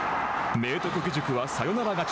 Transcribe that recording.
明徳義塾はサヨナラ勝ち。